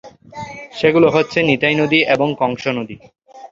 সেগুলো হচ্ছে নিতাই নদী এবং কংস নদ।